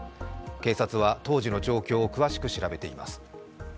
警察は当時の状況を詳しく調べています。